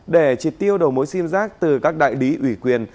để trị tiêu đầu mối sim giác từ các đại lý ủy quyền